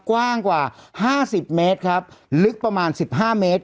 กว้างกว่า๕๐เมตรครับลึกประมาณ๑๕เมตร